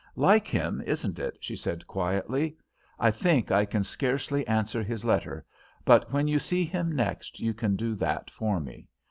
"Like him, isn't it?" she said, quietly. "I think I can scarcely answer his letter, but when you see him next you can do that for me.